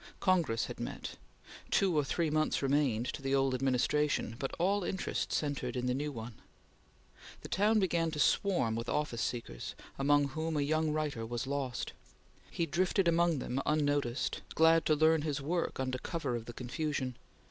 Congress had met. Two or three months remained to the old administration, but all interest centred in the new one. The town began to swarm with office seekers, among whom a young writer was lost. He drifted among them, unnoticed, glad to learn his work under cover of the confusion.